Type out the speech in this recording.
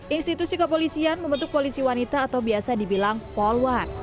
institusi kepolisian membentuk polisi wanita atau biasa dibilang polwan